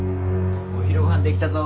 お昼ご飯できたぞ。